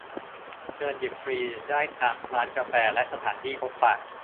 เชิญหยิบฟรีได้ตามร้านกาแฟและสถานที่พบปะ